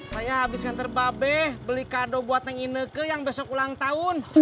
saya habis ganteng babes beli kado buat neng ineke yang besok ulang tahun